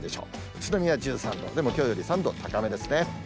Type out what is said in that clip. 宇都宮１３度、でもきょうより３度高めですね。